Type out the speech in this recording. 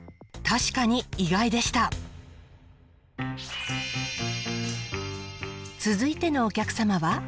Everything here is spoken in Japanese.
確かに意外でした続いてのお客様は？